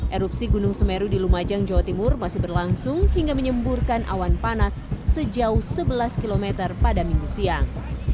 erupsi gunung semeru di lumajang jawa timur masih berlangsung hingga menyemburkan awan panas sejauh sebelas km pada minggu siang